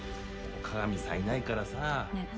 鏡さんいないからさ。